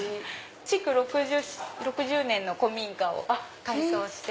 築６０年の古民家を改装して。